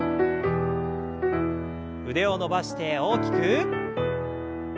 腕を伸ばして大きく。